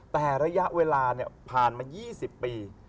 แต่ระยะเวลาผ่านมา๒๐ปี